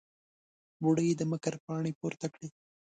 بوډۍ د مکر پاڼې پورته کړې.